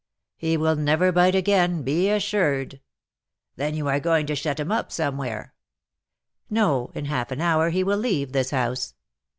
"He will never bite again, be assured." "Then you are going to shut him up somewhere?" "No; in half an hour he will leave this house."